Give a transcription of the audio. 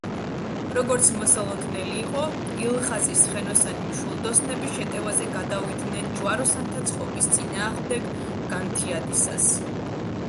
როგორც მოსალოდნელი იყო, ილღაზის ცხენოსანი მშვილდოსნები შეტევაზე გადავიდნენ ჯვაროსანთა წყობის წინააღმდეგ განთიადისას.